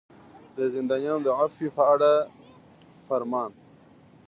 د زندانیانو د عفوې په اړه فرمان.